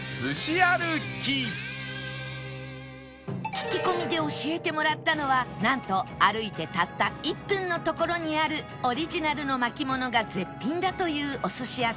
聞き込みで教えてもらったのはなんと歩いてたった１分の所にあるオリジナルの巻物が絶品だというお寿司屋さんミヤガワ